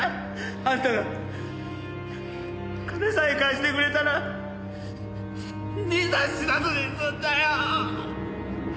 あんたが金さえ貸してくれたら義兄さん死なずに済んだよ！